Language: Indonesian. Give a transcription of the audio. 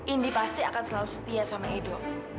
indi pasti akan selalu setia sama hidup